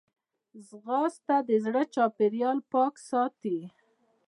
ځغاسته د زړه چاپېریال پاک ساتي